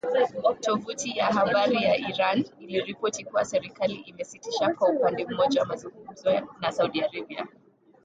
Tovuti ya habari ya Iran iliripoti kuwa serikali imesitisha kwa upande mmoja mazungumzo na Saudi Arabia